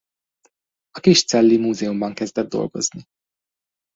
A Kiscelli Múzeumban kezdett dolgozni.